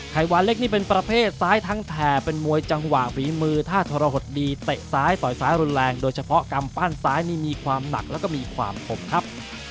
ขวานเล็กนี่เป็นประเภทซ้ายทั้งแถ่เป็นมวยจังหวะฝีมือถ้าทรหดดีเตะซ้ายต่อยซ้ายรุนแรงโดยเฉพาะกำปั้นซ้ายนี่มีความหนักแล้วก็มีความคมครับ